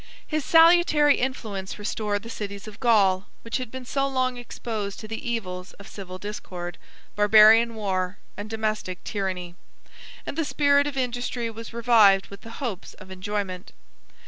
] His salutary influence restored the cities of Gaul, which had been so long exposed to the evils of civil discord, Barbarian war, and domestic tyranny; and the spirit of industry was revived with the hopes of enjoyment.